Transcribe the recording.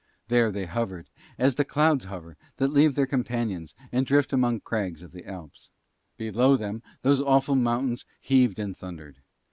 There they hovered as the clouds hover that leave their companions and drift among crags of the Alps: below them those awful mountains heaved and thundered.